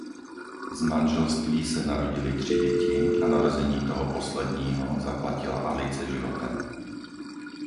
Z manželství se narodily tři děti a narození toho posledního zaplatila Alice životem.